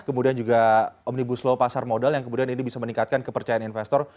kemudian juga omnibus law pasar modal yang kemudian ini bisa meningkatkan kepercayaan investor